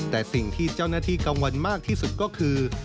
แต่สิ่งที่เจ้าหน้าที่กังวลมากที่สุดก็คือ